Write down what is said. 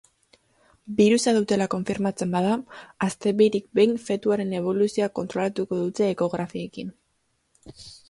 Birusa dutela konfirmatzen bada, aste birik behin fetuaren eboluzioa kontrolatuko dute ekografiekin.